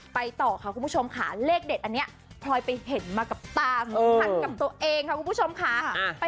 ต่อค่ะคุณผู้ชมค่ะเลขเด็ดอันนี้พลอยไปเห็นมากับตาสัมผัสกับตัวเองค่ะคุณผู้ชมค่ะ